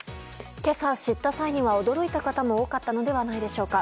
今朝、知った際には驚いた方も多かったのではないのでしょうか。